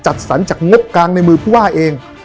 จัดสรรจากงบกลางในมือผู้ว่าเอง